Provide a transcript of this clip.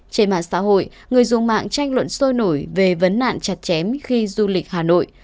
trên mạng xã hội người dùng mạng tranh luận sôi nổi về vấn nạn chặt chém khi du lịch hà nội